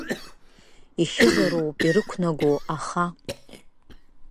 Ишьызароуп ирықәнаго, аха…